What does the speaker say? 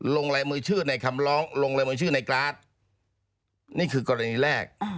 ลงลายมือชื่อในคำร้องลงรายมือชื่อในการ์ดนี่คือกรณีแรก